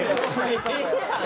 ええやん。